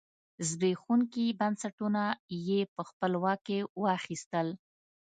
زبېښونکي بنسټونه یې په خپل واک کې واخیستل.